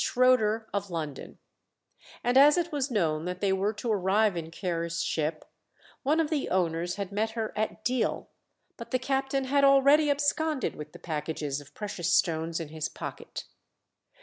Shroeder of London; and as it was known that they were to arrive in Ker's ship, one of the owners had met her at Deal, but the captain had already absconded with the packages of precious stones in his pocket.